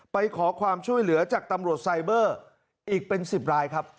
ไปขอความช่วยเหลือจากตำรวจไซเบอร์อีกเป็น๑๐รายครับ